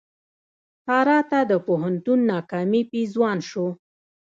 سارا ته د پوهنتون ناکامي پېزوان شو.